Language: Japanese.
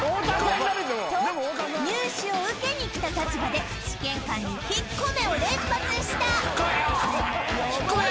と入試を受けに来た立場で試験官に「引っ込め！」を連発した引っ込めよ！